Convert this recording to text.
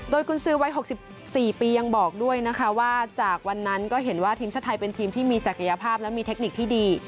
โดยกุญสือวัย๖๔ปียังบอกด้วยนะคะว่าจากวันนั้นก็เห็นว่าทีมชาติไทยเป็นทีมที่มีศักยภาพและมีเทคนิคที่ดี